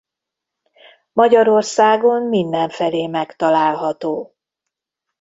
Magyarországon mindenfelé megtalálható.